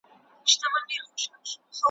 کله کله مي را وګرځي په زړه کي ,